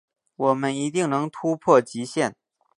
我们一定能突破极限